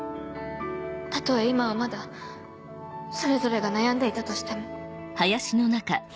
たとえ今はまだそれぞれが悩んでいたとしても。